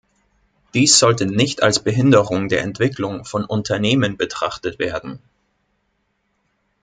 Dies sollte nicht als Behinderung der Entwicklung von Unternehmen betrachtet werden.